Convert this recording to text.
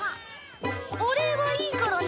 お礼はいいからね。